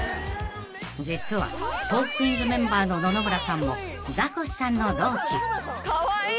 ［実は『トークィーンズ』メンバーの野々村さんもザコシさんの同期］カワイイ。